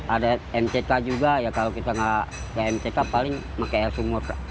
ada mck juga ya kalau kita nggak ke mck paling pakai air sumur